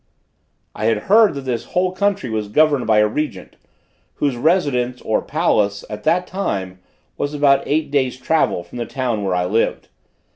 I had heard that this whole country was governed by a Regent, whose residence, or palace, at that time, was about eight days' travel from the town where I lived.